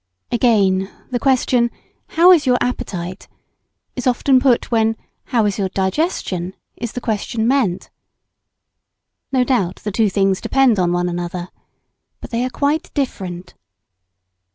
Again, the question, How is your appetite? is often put when How is your digestion? is the question meant. No doubt the two things depend on one another. But they are quite different.